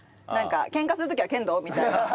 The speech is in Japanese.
「ケンカする時は剣道？」みたいな。